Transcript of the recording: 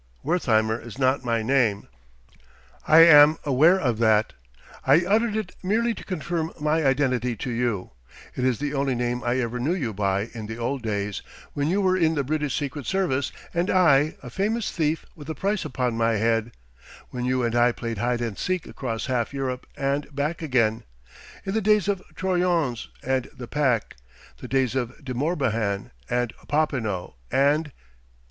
"Wertheimer is not my name." "I am aware of that. I uttered it merely to confirm my identity to you; it is the only name I ever knew you by in the old days, when you were in the British Secret Service and I a famous thief with a price upon my head, when you and I played hide and seek across half Europe and back again in the days of Troyon's and 'the Pack,' the days of De Morbihan and Popinot and...."